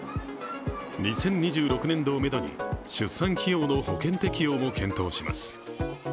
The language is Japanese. ２０２６年度をめどに、出産費用の保険適用も検討します。